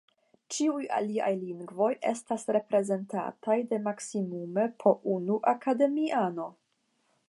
Ĉiuj aliaj lingvoj estas reprezentataj de maksimume po unu akademiano.